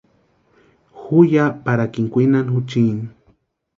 Ju ya parakini kwinani juchini.